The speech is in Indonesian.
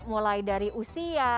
mulai dari usia